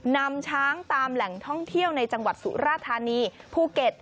นำช้างตามแหล่งท่องเที่ยวในจังหวัดสุราธานีภูเก็ต